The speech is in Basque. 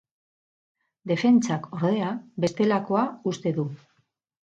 Defentsak, ordea, bestelakoa uste du.